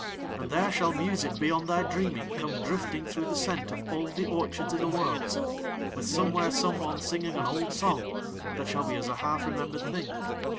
And there shall music beyond thy dreaming come drifting through the scent of all the orchards in the Worlds, with somewhere someone singing an old song that shall be as a half remembered thing.